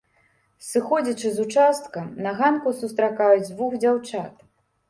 Сыходзячы з участка на ганку сустракаю дзвюх дзяўчат.